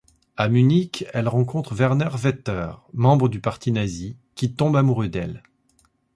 À Munich, elle rencontre Werner Vetter, membre du Parti nazi qui tombe amoureux d'elle.